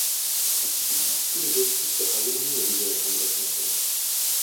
তিনি বেশ কিছু আগমণী এবং বিজয়া'র গান রচনা করেন।